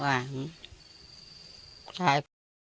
ว่าชาย